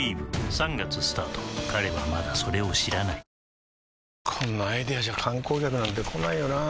トーンアップ出たこんなアイデアじゃ観光客なんて来ないよなあ